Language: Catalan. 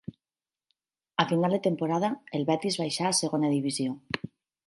A final de temporada, el Betis baixà a Segona Divisió.